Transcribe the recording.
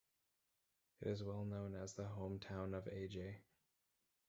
It is well known as the home town of a J.